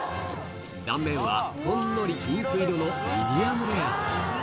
断面はほんのりピンク色のミディアムレア。